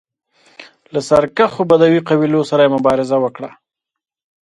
له سرکښو بدوي قبایلو سره یې مبارزه وکړه